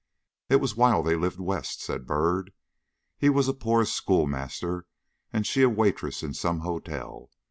"It was while they lived West," said Byrd. "He was a poor school master, and she a waitress in some hotel.